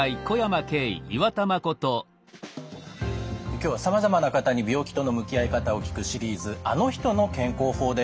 今日はさまざまな方に病気との向き合い方を聞くシリーズ「あの人の健康法」です。